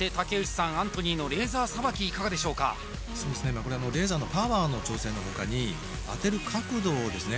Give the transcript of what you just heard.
今これレーザーのパワーの調整の他に当てる角度をですね